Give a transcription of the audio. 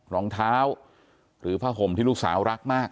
รองเท้าหรือผ้าห่มที่ลูกสาวรักมาก